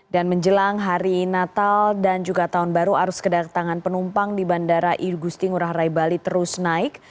dan menjelang hari natal dan juga tahun baru arus kedatangan penumpang di bandara igusti ngurah rai bali terus naik